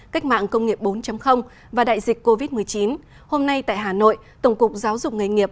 cách mạng công nghiệp bốn và đại dịch covid một mươi chín hôm nay tại hà nội tổng cục giáo dục nghề nghiệp